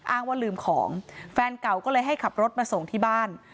อ้างว่าลืมของแฟนเก่าก็เลยให้ขับรถมาส่งที่บ้าน